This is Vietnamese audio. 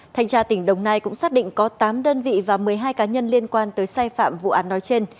thanh tra tỉnh đồng nai cũng xác định có tám đơn vị và một mươi hai cá nhân liên quan tới sai phạm vụ án nói trên